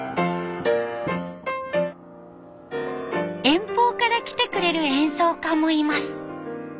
遠方から来てくれる演奏家もいます。